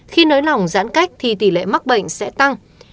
khi nới lỏng giãn cách thì tỷ lệ mắc bệnh sẽ tăng